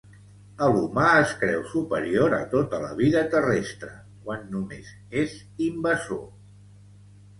El humà és creu superior a tota la vida terrestre quan només és invasor